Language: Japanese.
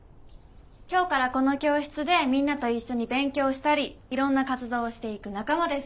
今日からこの教室でみんなと一緒に勉強したりいろんな活動をしていく仲間です。